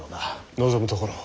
望むところ。